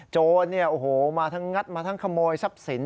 โจรมาทั้งงัดมาทั้งขโมยทรัพย์สิน